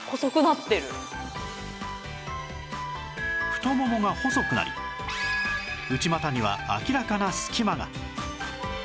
太ももが細くなり内股には明らかな隙間が